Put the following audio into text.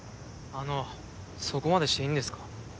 あのそこまでしていいんですか？